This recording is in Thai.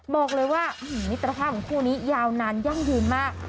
บอกเลยว่ามิตรภาพของคู่นี้ยาวนานยั่งยืนมาก